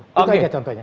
itu saja contohnya